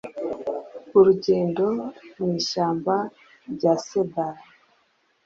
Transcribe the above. Urugendo mu ishyamba rya Cedar